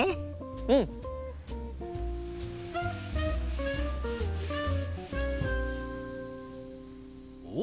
うん！おっ！